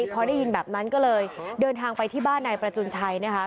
พอได้ยินแบบนั้นก็เลยเดินทางไปที่บ้านนายประจุนชัยนะคะ